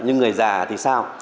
nhưng người già thì sao